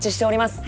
はい。